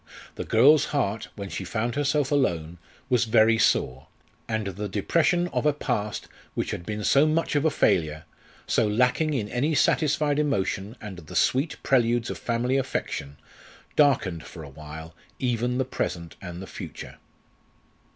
The girl's heart, when she found herself alone, was very sore, and the depression of a past which had been so much of a failure, so lacking in any satisfied emotion and the sweet preludes of family affection, darkened for a while even the present and the future.